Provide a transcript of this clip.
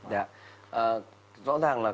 dạ rõ ràng là